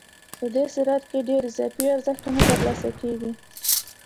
په دې صورت کې ډېر اضافي ارزښت ترلاسه کېږي